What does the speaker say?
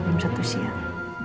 bukan satu siang